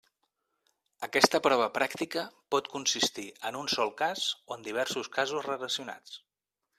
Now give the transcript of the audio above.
Aquesta prova pràctica pot consistir en un sol cas o en diversos casos relacionats.